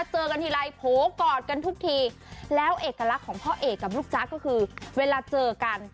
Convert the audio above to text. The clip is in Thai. เจอกันทีไรโผล่กอดกันทุกทีแล้วเอกลักษณ์ของพ่อเอกกับลูกจ๊ะก็คือเวลาเจอกัน